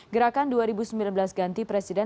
gerakan dua ribu sembilan belas ganti presiden